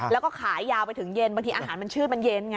แล้วก็ขายยาวไปถึงเย็นบางทีอาหารมันชื่นมันเย็นไง